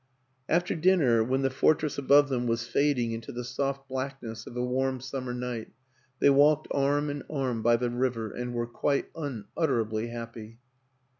After dinner, when the fortress above them was fading into the soft blackness of a warm summer night, they walked arm in arm by the river and were quite unutterably happy.